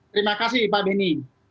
terima kasih pak denny